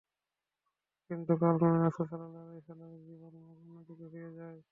কিন্তু কালক্রমে রাসূল সাল্লাল্লাহু আলাইহি ওয়াসাল্লাম-এর জীবনের মোড় অন্যদিকে ফিরে যায়।